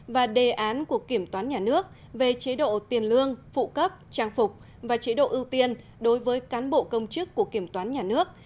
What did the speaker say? và đề án của kiểm toán nhà nước về chế độ tiền lương phụ cấp trang phục và chế độ ưu tiên đối với cán bộ công chức của kiểm toán nhà nước